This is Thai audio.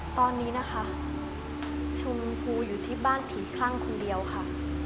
ตอนนี้นะคะชมพูอยู่ที่บ้านผีคลั่งคนเดียวค่ะ